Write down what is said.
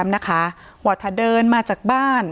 ที่มีข่าวเรื่องน้องหายตัว